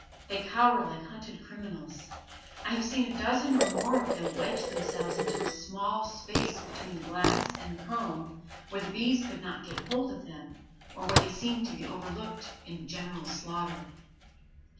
They cower like hunted criminals. I have seen a dozen or more of them wedge themselves into a small space between the glass and the comb, where the bees could not get hold of them or where they seemed to be overlooked in the general slaughter.